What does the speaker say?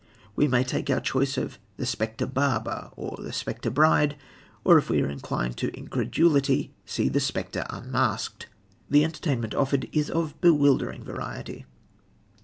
We may take our choice of The Spectre Barber or The Spectre Bride, or, if we are inclined to incredulity, see The Spectre Unmasked. The entertainment offered is of bewildering variety.